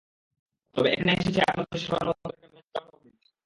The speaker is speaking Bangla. তবে, এখানে এসেছি আপনাদের শেষবারের মতো একটা মিশনে যাওয়ার অফার দিতে।